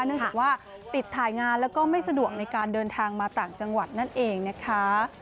เนื่องจากว่าติดถ่ายงานแล้วก็ไม่สะดวกในการเดินทางมาต่างจังหวัดนั่นเองนะคะ